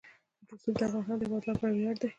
رسوب د افغانستان د هیوادوالو لپاره ویاړ دی.